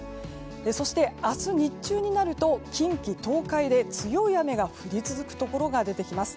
そして、明日日中になると近畿・東海で強い雨が降り続くところが出てきます。